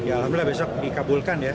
alhamdulillah besok dikabulkan ya